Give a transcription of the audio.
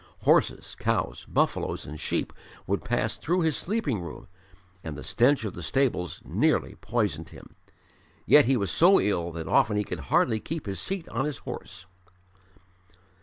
Horses, cows, buffaloes and sheep would pass through his sleeping room, and the stench of the stables nearly poisoned him. Yet he was so ill that often he could hardly keep his seat on his horse.